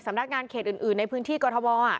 นักงานเขตอื่นในพื้นที่กรทม